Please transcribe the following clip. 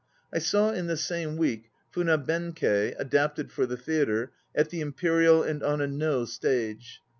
I saw in the same week Funa Benkei, adapted for the theatre, at the Imperial and on a No stage.